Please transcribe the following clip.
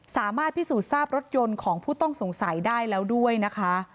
สามารถพิสูจน์ทราบรถยนต์ของผู้ต้องสงสัยได้แล้วด้วยนะคะ